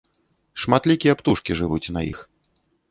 Шматлікія птушкі жывуць на іх.